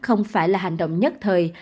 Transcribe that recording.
không phải là hành động nhất thời